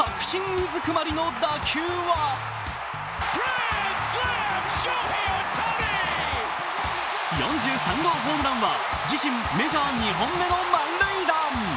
うずくまりの打球は４３号ホームランは自身メジャー２本目の満塁弾。